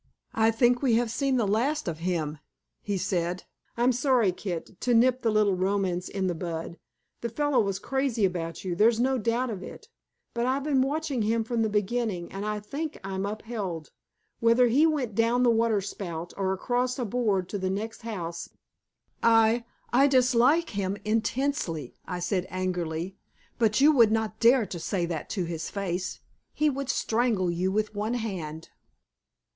"I think we have seen the last of him," he said. "I'm sorry, Kit, to nip the little romance in the bud. The fellow was crazy about you there's no doubt of it. But I've been watching him from the beginning, and I think I'm upheld. Whether he went down the water spout, or across a board to the next house " "I I dislike him intensely," I said angrily, "but you would not dare to say that to his face. He could strangle you with one hand."